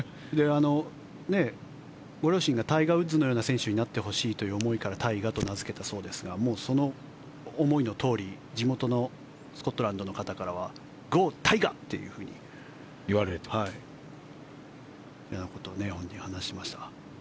ご両親がタイガー・ウッズのような選手になってほしいという思いから泰果と名付けたそうですがもうその思いのとおり地元のスコットランドの方からはゴー・タイガというふうに言われたということを本人は話しました。